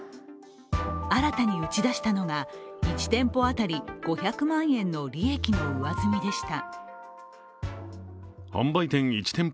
新たに打ち出したのが、１店舗当たり５００万円の利益の上積みでした。